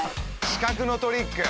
視覚のトリック。